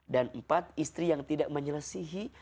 dan empat istri yang tidak menyelesihi